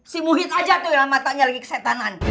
si muhid aja tuh yang matanya lagi kesetanan